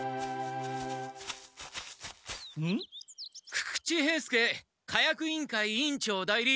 久々知兵助火薬委員会委員長代理。